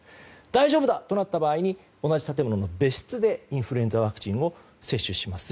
大丈夫だとなった場合に別室でインフルエンザワクチンを接種します。